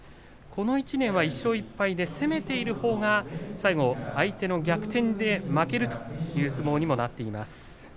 この１年は１勝１敗で攻めているほうが最後、相手の逆転で負けるという相撲にもなっています。